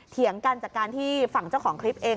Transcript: เถียงกันจากการที่ฝั่งเจ้าของคลิปเอง